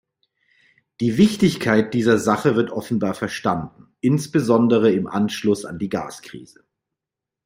Die Wichtigkeit dieser Sache wird offenbar verstanden, insbesondere im Anschluss an die Gaskrise.